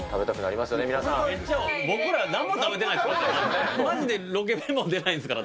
僕らなんも食べてないですからね。